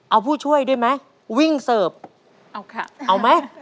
เอาไหม